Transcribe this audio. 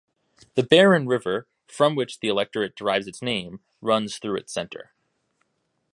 The Barron River from which the electorate derives its name runs through its centre.